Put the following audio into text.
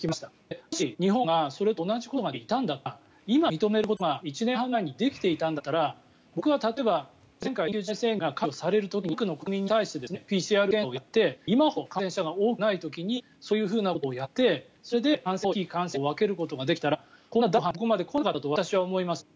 もし、日本がそれと同じことができていたんだったら今、認めることが１年半前にできていたんだったら僕は例えば前回緊急事態宣言が解除される時に多くの国民に対してＰＣＲ検査をやって今ほど感染者が多くない時にそういうことをやってそれで感染者と非感染者を分けることができたらこんな第５波なんてここまで来なかったと私は思いますよ。